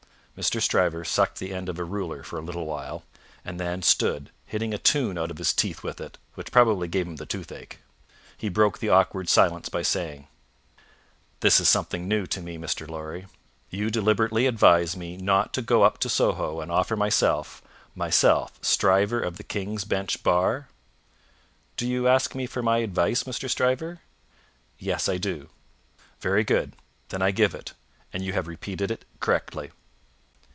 Mr. Stryver sucked the end of a ruler for a little while, and then stood hitting a tune out of his teeth with it, which probably gave him the toothache. He broke the awkward silence by saying: "This is something new to me, Mr. Lorry. You deliberately advise me not to go up to Soho and offer myself _my_self, Stryver of the King's Bench bar?" "Do you ask me for my advice, Mr. Stryver?" "Yes, I do." "Very good. Then I give it, and you have repeated it correctly."